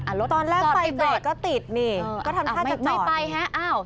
อ้าวไม่ไปครับเอ้า